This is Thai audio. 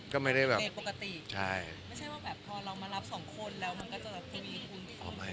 ก็ไม่ได้แบบเบรกปกติใช่ไม่ใช่ว่าแบบพอเรามารับสองคนแล้วมันก็จะแบบ